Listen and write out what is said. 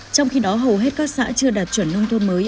trong khi đó hầu hết các xã chưa đạt chuẩn nông thôn mới